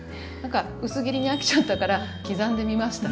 薄切りに飽きちゃったから刻んでみましたみたいな。